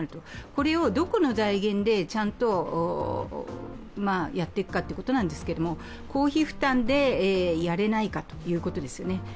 これをどこの財源でちゃんとやっていくかということなんですけども、公費負担でやれないかということですよね。